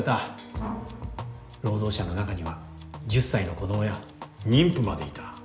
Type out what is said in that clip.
労働者の中には１０歳の子供や妊婦までいた。